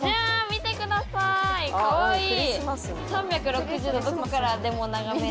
見てくださいかわいい。